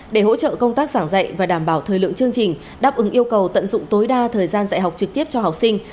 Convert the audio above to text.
để hỗ trợ công tác giảng dạy và đảm bảo thời lượng chương trình đáp ứng yêu cầu tận dụng tối đa thời gian dạy học trực tiếp cho học sinh